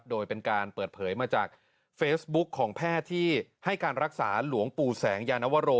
โดยเป็นการเปิดเผยมาจากเฟซบุ๊คของแพทย์ที่ให้การรักษาหลวงปู่แสงยานวโร